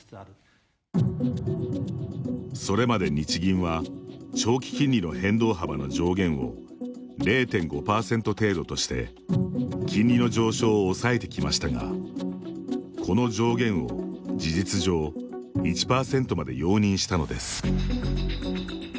それまで日銀は長期金利の変動幅の上限を０．５％程度として金利の上昇を抑えてきましたがこの上限を事実上１％まで容認したのです。